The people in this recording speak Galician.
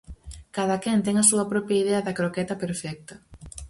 Cadaquén ten a súa propia idea da croqueta perfecta.